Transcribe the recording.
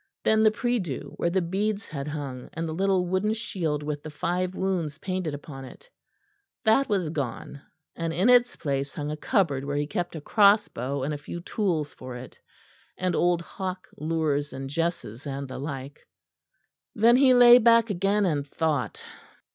Then the prie dieu, where the beads had hung and the little wooden shield with the Five Wounds painted upon it that was gone; and in its place hung a cupboard where he kept a crossbow and a few tools for it; and old hawk lures and jesses and the like. Then he lay back again, and thought.